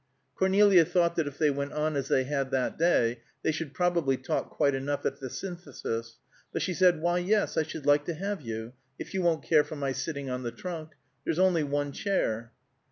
Cornelia thought that if they went on as they had that day, they should probably talk quite enough at the Synthesis; but she said, "Why, yes, I should like to have you, if you won't care for my sitting on the trunk. There's only one chair."